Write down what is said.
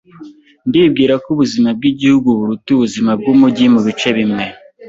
Ndibwira ko ubuzima bwigihugu buruta ubuzima bwumujyi mubice bimwe.